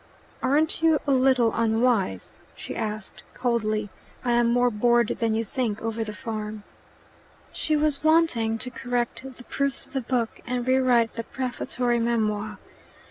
"Aren't you a little unwise?" she asked coldly. "I am more bored than you think over the farm." She was wanting to correct the proofs of the book and rewrite the prefatory memoir.